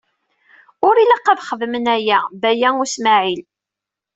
Ur ilaq ad texdem aya Baya U Smaɛil.